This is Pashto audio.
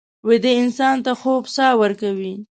ویده انسان ته خوب ساه ورکوي